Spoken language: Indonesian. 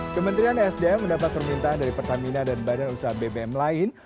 kementerian sdm mendapat permintaan dari pertamina dan badan usaha bbm lain